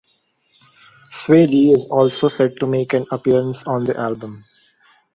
Swae Lee is also set to make an appearance on the album.